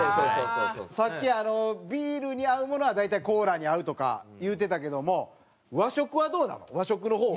さっきビールに合うものは大体コーラに合うとか言うてたけども和食はどうなの？